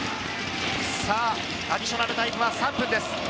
アディショナルタイムは３分です。